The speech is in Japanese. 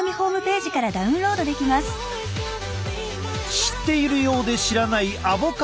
知っているようで知らないアボカドの魅力。